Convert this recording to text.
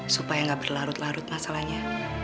supaya nggak berlarut larut masalahnya